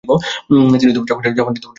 তিনি জাপানের টোকিওতে জন্মগ্রহণ করেন।